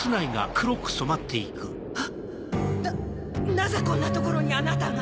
なぜこんな所にあなたが？